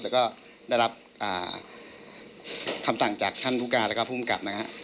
แล้วก็ได้รับคำสั่งจากท่านภูกาและผู้กำกับนะครับ